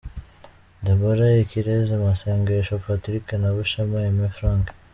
Deborha Ikirezi Masengesho Patrick na Bushema Aime Frank .